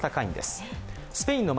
スペインの街